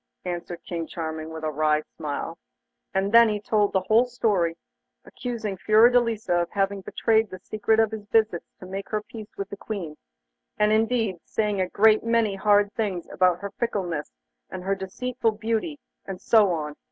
answered King Charming, with a wry smile. And then he told the whole story, accusing Fiordelisa of having betrayed the secret of his visits to make her peace with the Queen, and indeed saying a great many hard things about her fickleness and her deceitful beauty, and so on.